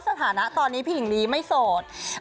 สถานะตอนนี้พี่หญิงลีไม่โสด